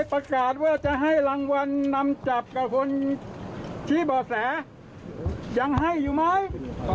ประกาศว่าจะให้รางวัลนำจับกับคนชี้บ่อแสยังให้อยู่ไหม